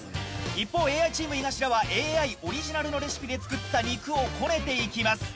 一方ＡＩチーム井頭はＡＩオリジナルのレシピで作った肉をこねていきます。